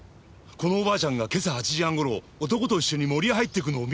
このおばあちゃんが今朝８時半頃男と一緒に森へ入ってくのを見たんですね？